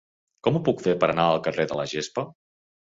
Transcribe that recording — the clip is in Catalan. Com ho puc fer per anar al carrer de la Gespa?